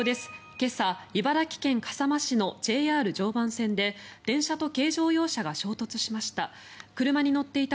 今朝、茨城県笠間市のＪＲ常磐線で電車と軽乗用車が衝突しました。